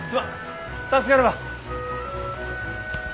助かるわ。